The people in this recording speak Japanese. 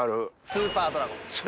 スーパードラゴンです。